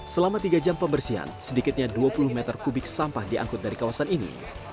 selama tiga jam pembersihan sedikitnya dua puluh meter kubik sampah diangkut dari kawasan ini